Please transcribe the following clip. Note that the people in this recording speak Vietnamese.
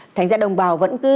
thành ra đồng bào vẫn cứ